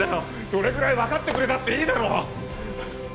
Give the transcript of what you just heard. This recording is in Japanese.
それぐらいわかってくれたっていいだろ！